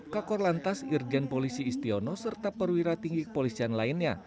kakor lantas irjen polisi istiono serta perwira tinggi kepolisian lainnya